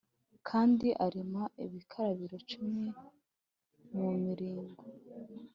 Kandi arema ibikarabiro cumi mu miring